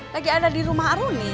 lagi ada di rumah aruni